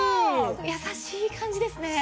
優しい感じですね